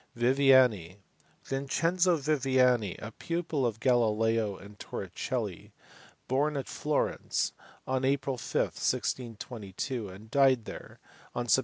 Viviani. Vincenzo Viviani, a pupil of Galileo and Tor ricelli, born at Florence on April 5, 1622, and died there on Sept.